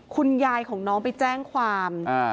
คุณยายของน้องไปแจ้งความ